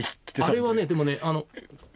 あれはねでもねえっと